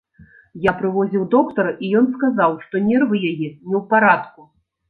Я прывозіў доктара, і ён сказаў, што нервы яе не ў парадку.